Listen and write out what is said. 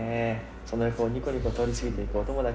その横をにこにこ通り過ぎていくお友達。